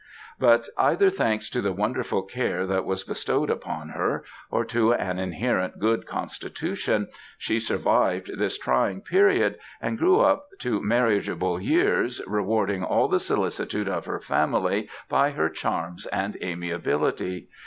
But, either, thanks to the wonderful care that was bestowed upon her, or to an inherent good constitution, she survived this trying period and grew up to marriageable years, rewarding all the solicitude of her family by her charms and amiability.